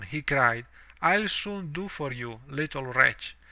*' he cried, "FU soon do for you, little wretch!